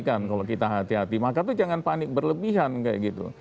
kalau kita hati hati maka itu jangan panik berlebihan kayak gitu